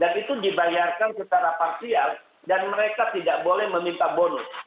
dan itu dibayarkan secara parsial dan mereka tidak boleh meminta bonus